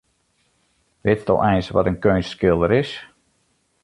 Witsto eins wat in keunstskilder is?